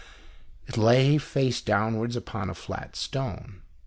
It lay, face downwards, upon a flat stone.